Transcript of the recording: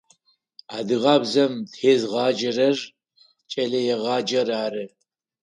Адыгабзэм тезгъаджэрэр кӏэлэегъаджэр ары.